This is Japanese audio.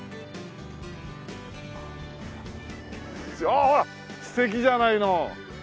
ああほら素敵じゃないの。